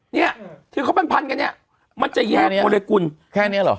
เนี่ยที่เขาเป็นพันกันเนี่ยมันจะแยกโมเลกุลแค่เนี้ยเหรอ